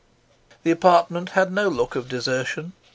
The apartment had no look of desertion.